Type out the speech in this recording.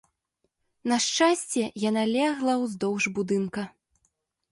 На шчасце, яна легла ўздоўж будынка.